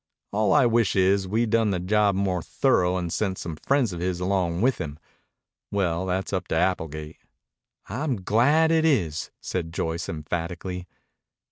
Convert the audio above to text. All I wish is we'd done the job more thorough and sent some friends of his along with him. Well, that's up to Applegate." "I'm glad it is," said Joyce emphatically.